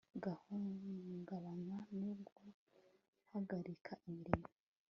guhungabanywa no guhagarika imirimo